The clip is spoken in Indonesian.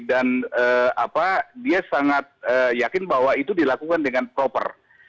dan dia sangat yakin bahwa itu dilakukan dengan proper